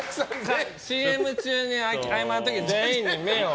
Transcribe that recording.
ＣＭ中に合間の時に全員に目を。